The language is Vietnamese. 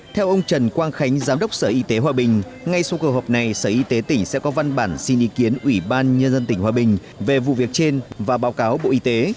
theo ông trần quang khánh giám đốc sở y tế hòa bình ngay sau cuộc họp này sở y tế tỉnh sẽ có văn bản xin ý kiến ủy ban nhân dân tỉnh hòa bình về vụ việc trên và báo cáo bộ y tế